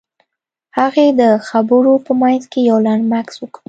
هغې د خبرو په منځ کې يو لنډ مکث وکړ.